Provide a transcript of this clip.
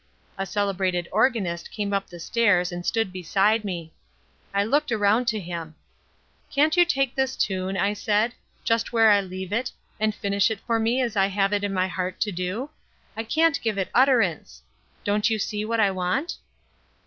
A celebrated organist came up the stairs and stood beside me. I looked around to him. 'Can't you take this tune,' I said, 'just where I leave it, and finish it for me as I have it in my heart to do? I can't give it utterance. Don't you see what I want?'"